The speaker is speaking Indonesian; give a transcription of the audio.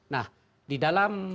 nah di dalam